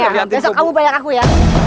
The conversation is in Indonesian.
ya besok kamu bayang aku ya